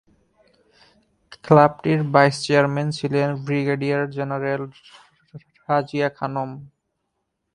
ক্লাবটির vice chairman ছিলেন brigadier general Razia Khanam.